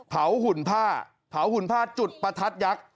หุ่นผ้าเผาหุ่นผ้าจุดประทัดยักษ์